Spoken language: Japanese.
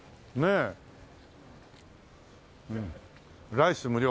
「ライス無料」